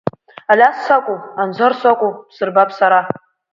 Алиас сакәу, Анзор сакәу бсырбап сара.